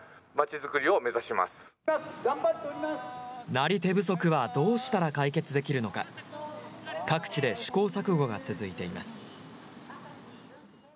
なり手不足はどうしたら解決できるのか、各地で試行錯誤が続いています。